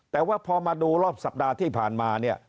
แต่ว่าพอมาดูรอบสัปดาห์ที่ผ่านมาเนี่ย